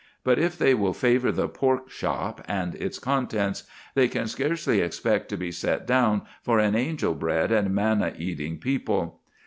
But if they will favour the pork shop and its contents, they can scarcely expect to be set down for an angel bread and manna eating people.